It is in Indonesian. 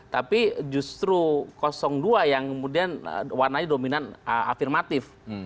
tapi justru dua yang kemudian warnanya dominan afirmatif